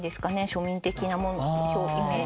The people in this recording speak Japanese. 庶民的なイメージに。